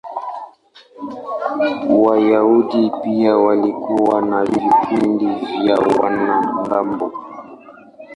Wayahudi pia walikuwa na vikundi vya wanamgambo.